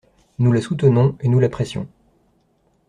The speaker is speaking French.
Nous la soutenons et nous l’apprécions.